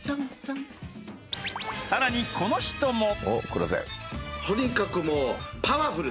［さらにこの人も］